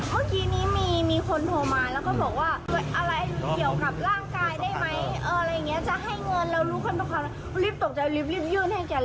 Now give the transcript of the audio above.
เมื่อกี้นี้มีคนโทรมาแล้วก็บอกว่า